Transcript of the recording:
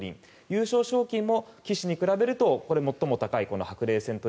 優勝賞金も棋士に比べると最も高い白